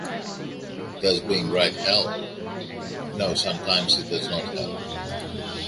Does being right help? No, sometimes it does not help.